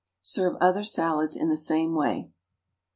Serve other salads in the same way.